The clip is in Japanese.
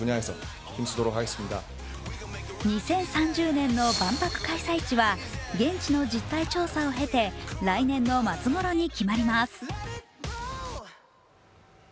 ２０３０年の万博開催地は現地の実態調査を経て来年の末頃に決まります。